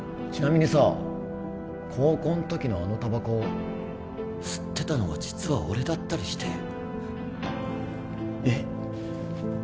ちなみにさ高校ん時のあのタバコ吸ってたのは実は俺だったりしてえっ？